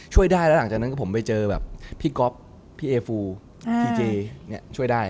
ช่วยได้แล้วหลังจากนั้นก็ผมไปเจอแบบพี่ก๊อฟพี่เอฟูทีเจช่วยได้